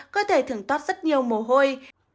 cơ thể thường toát rất nhiều mồ hôi